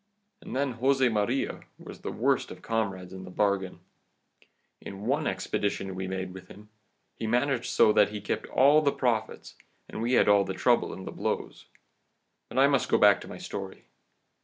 And then Jose Maria was the worst of comrades in the bargain. In one expedition we made with him, he managed so that he kept all the profits, and we had all the trouble and the blows. But I must go back to my story.